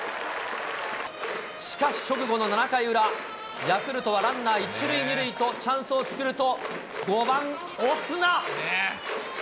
しかし直後の７回裏、ヤクルトはランナー１塁２塁とチャンスを作ると５番オスナ。